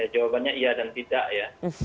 jawabannya iya dan tidak ya